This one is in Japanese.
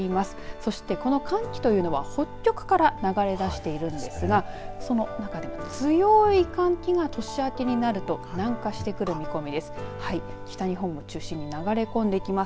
そしてこの寒気というのは北極から流れ出しているんですがその中でも強い寒気が年明けになると南下してくる見込みです。